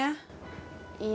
bapak kamu mau mau